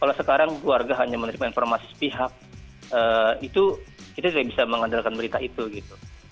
kalau sekarang warga hanya menerima informasi sepihak itu kita tidak bisa mengandalkan berita itu gitu